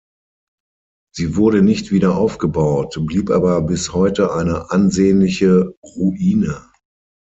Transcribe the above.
Sie wurde nicht wieder aufgebaut, blieb aber bis heute eine ansehnliche Ruine.